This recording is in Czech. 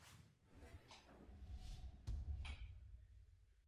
To však neodpovídá na problémy vzdělávacích zařízení a průmyslu.